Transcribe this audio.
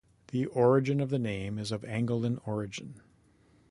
The origin of the name is of Angolan origin.